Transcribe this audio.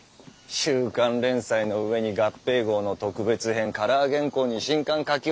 週刊連載のうえに合併号の特別編カラー原稿に新刊描き